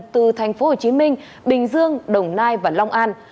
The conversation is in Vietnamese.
từ thành phố hồ chí minh bình dương đồng nai và long an